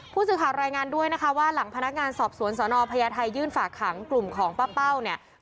ผู้สื่อข่าวรายงานด้วยนะคะว่าหลังพนักงานสอบสวนสนพญาไทยยื่นฝากขังกลุ่มของป้าเป้าเนี่ย